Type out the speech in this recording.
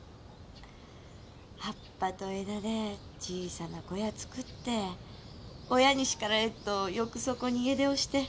葉っぱと枝で小さな小屋作って親に叱られっとよくそこに家出をして。